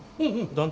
団体？